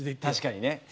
確かにね。